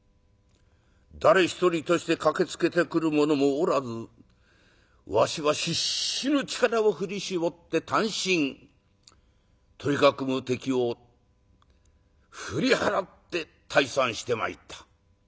誰一人として駆けつけてくる者もおらずわしは必死の力を振り絞って単身取り囲む敵を振り払って退散してまいった」。